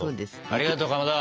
ありがとうかまど。